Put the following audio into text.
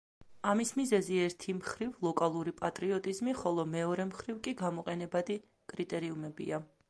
ამის მიზეზი ერთი მხრივ ლოკალური პატრიოტიზმი, ხოლო მეორე მხრივ კი გამოყენებადი კრიტერიუმებია.